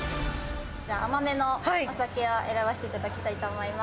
じゃあ甘めのお酒を選ばせていただきたいと思います。